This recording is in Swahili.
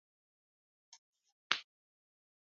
Mboni ya jicho langu inaniwasha.